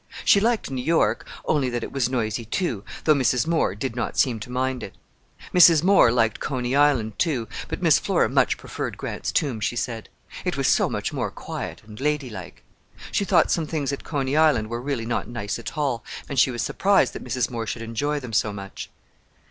She liked New York, only that was noisy, too, though Mrs. Moore did not seem to mind it. Mrs. Moore liked Coney Island, too, but Miss Flora much preferred Grant's Tomb, she said. It was so much more quiet and ladylike. She thought some things at Coney Island were really not nice at all, and she was surprised that Mrs. Moore should enjoy them so much.